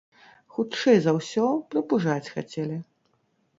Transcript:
Хутчэй за ўсё, прыпужаць хацелі.